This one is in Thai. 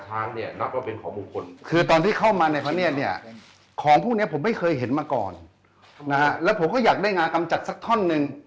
อันสำคัญตั้งแต่โบราณกาล